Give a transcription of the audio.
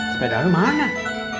sepeda lu mana